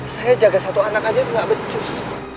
saya jaga satu anak aja itu gak becus